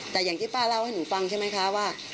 แต่อย่างที่ป้าเล่าให้หนูฟังใช่ไหมคะว่า